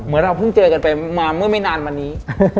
เหมือนเราเพิ่งเจอกันไปมาเมื่อไม่นานวันนี้